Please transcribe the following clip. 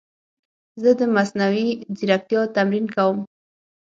زه د مصنوعي ځیرکتیا تمرین کوم.